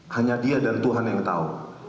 hanya dia dan tuhan yang tahu